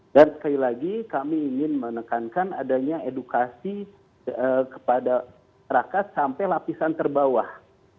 dan sekali lagi kami ingin menekankan adanya edukasi kepada rakyat sampai lapisan terbawah